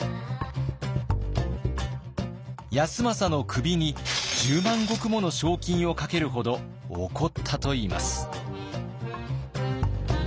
康政の首に１０万石もの賞金をかけるほど怒ったといいます。